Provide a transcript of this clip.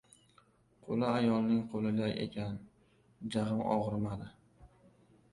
Qo‘li ayolning qo‘liday ekan, jag‘im og‘rimadi.